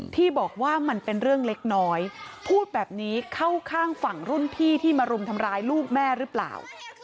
ที่บอกว่ามันเป็นเรื่องเล็กน้อยพูดแบบนี้เข้าข้างฝั่งรุ่นพี่ที่มารุมทำร้ายลูกแม่หรือเปล่า